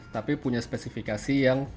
tapi punya spesifikasi yang